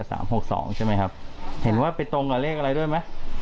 หกสองใช่ไหมครับเห็นว่าไปตรงกับเลขอะไรด้วยไหม